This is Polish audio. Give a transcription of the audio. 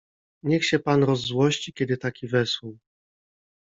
Niech się pan rozzłości, kiedy taki wesół.